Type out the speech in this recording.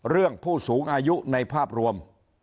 เรื่องผู้สูงอายุในภาพรวม